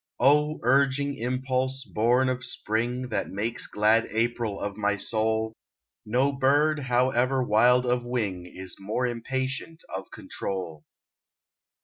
O urging impulse, born of spring, That makes glad April of my soul, No bird, however wild of wing, Is more impatient of control.